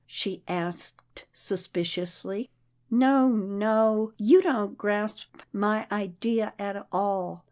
" she asked suspiciously. " No, no, you don't grasp my idea at all.